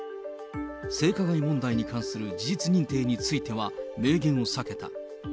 性加害問題に関する事実認定については明言を避けた。